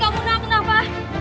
ya ampun kamu kenapa